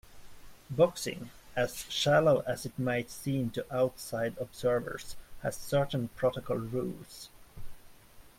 Boxing, as shallow as it might seem to outside observers, has certain protocol rules.